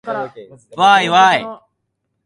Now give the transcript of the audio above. わーいわーい